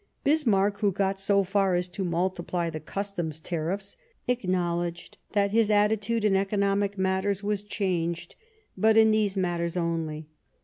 Bismarck, who got so far as to multiply the Customs tariffs, acknowledged that his attitude in economic matters was changed, but in these matters only.